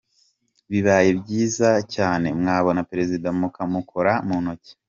Bibaye byiza cyane, mwabona Perezida mukamukora mu ntoki!